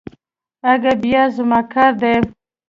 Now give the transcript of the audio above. اگه بيا زما کار دی.